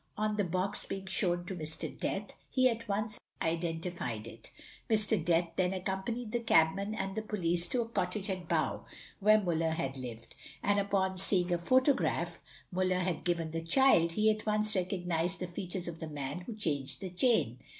On the box being shown to Mr. Death, he at once identified it. Mr. Death then accompanied the cabman and the police to a cottage at Bow, where Muller had lived, and upon seeing a photograph Muller had given the child, he at once recognised the features of the man who changed the chain.